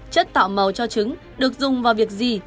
chất tạo màu cho trứng được dùng vào việc gì